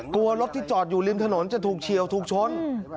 รถที่จอดอยู่ริมถนนจะถูกเฉียวถูกชน